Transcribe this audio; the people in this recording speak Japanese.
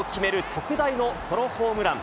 特大のソロホームラン。